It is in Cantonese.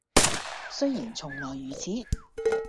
雖然從來如此，